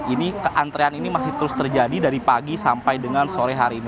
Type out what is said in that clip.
ini antrean ini masih terus terjadi dari pagi sampai dengan sore hari ini